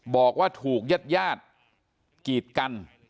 บอกว่าถูกยาดกีดกัน